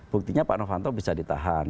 buktinya pak novanto bisa ditahan